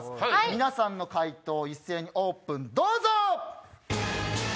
皆さんの回答一斉にオープンどうぞ！